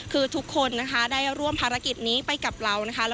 คือทุกคนนะคะได้ร่วมภารกิจนี้ไปกับเรานะคะ